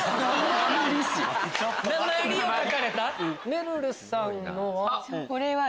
めるるさんのは？